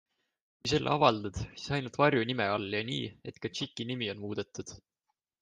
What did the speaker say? Kui selle avaldad, siis ainult varjunime all ja nii, et ka tšiki nimi on muudetud.